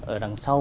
ở đằng sau